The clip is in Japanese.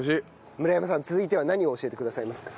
村山さん続いては何を教えてくださいますか？